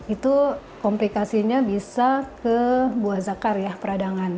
itu komplikasinya bisa ke buah zakar ya peradangan